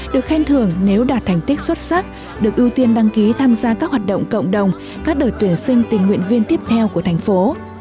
được khen thưởng nếu đạt thành tích xuất sắc được ưu tiên đăng ký tham gia các hoạt động cộng đồng các đời tuyển sinh tình nguyện viên tiếp theo của thành phố